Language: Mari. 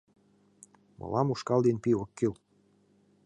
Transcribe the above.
— Мылам ушкал ден пий ок кӱл.